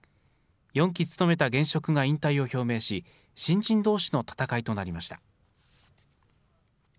４期務めた現職が引退を表明し、新人どうしの戦いとなりました。